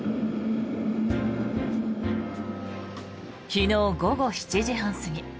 昨日午後７時半過ぎ